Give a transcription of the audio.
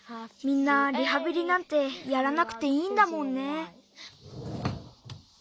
みんなリハビリなんてやらなくていいんだもんね。